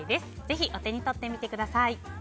ぜひお手に取ってみてください。